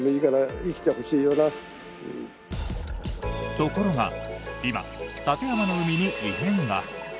ところが今館山の海に異変が。